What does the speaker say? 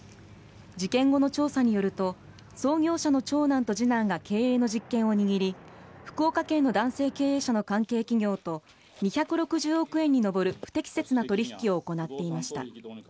事件後の調査によると創業者の長男と次男が経営の実権を握り福岡県の男性経営者の関係企業と２６０億円に上る不適切な取引を行っていました。